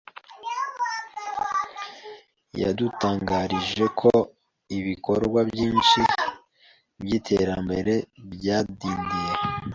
yadutangarije ko ibikorwa byinshi by’iterambere byadindiye